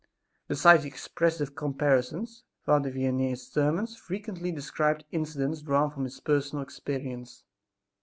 Besides these expressive comparisons, Father Vianney's sermons frequently described incidents drawn from his personal experience.